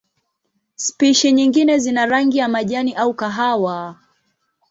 Spishi nyingine zina rangi ya majani au kahawa.